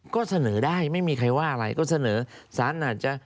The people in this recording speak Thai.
ก็เสนอได้ไม่มีใครว่าอะไรก็เสนอสารอาจจะ